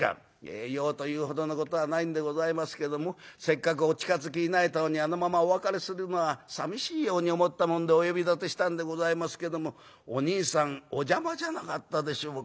『ええ用というほどのことはないんでございますけどもせっかくお近づきになれたのにあのままお別れするのはさみしいように思ったもんでお呼び立てしたんでございますけどもおにいさんお邪魔じゃなかったでしょうか』